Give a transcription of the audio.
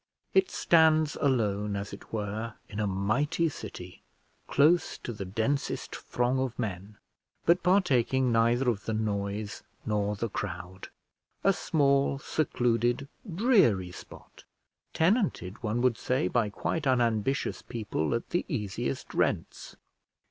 It stands alone, as it were, in a mighty city, close to the densest throng of men, but partaking neither of the noise nor the crowd; a small secluded, dreary spot, tenanted, one would say, by quite unambitious people at the easiest rents.